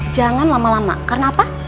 jangan lama lama karena apa